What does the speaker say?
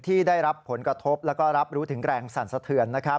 ที่ได้รับผลกระทบแล้วก็รับรู้ถึงแรงสั่นสะเทือน